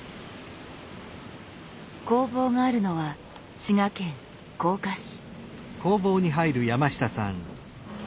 工房があるのは滋賀県甲賀市。